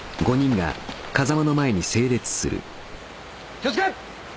気を付け！